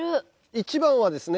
１番はですね